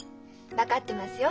分かってますよ。